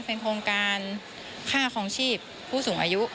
เป็นโครงการค่าคลองชีพผู้สูงอายุ